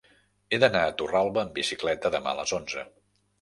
He d'anar a Torralba amb bicicleta demà a les onze.